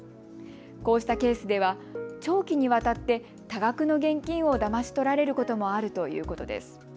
こうしたケースでは長期にわたって多額の現金をだまし取られることもあるということです。